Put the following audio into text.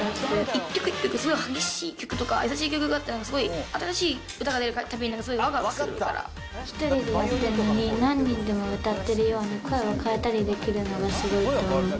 一曲一曲、すごい激しい曲とか優しい曲があったり、すごい新しい歌が出るた１人でやってるのに、何人でも歌ってるように声を変えたりできるのがすごいと思う。